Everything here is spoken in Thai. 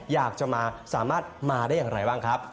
อยากจะมาสามารถมาได้อย่างไรบ้างครับ